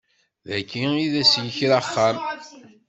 Dagi i d as-yekra axxam.